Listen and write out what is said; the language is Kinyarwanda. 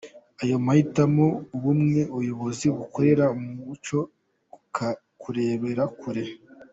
Ayo mahitamo ni ubumwe, ubuyobozi bukorera mu mucyo no kureba kure.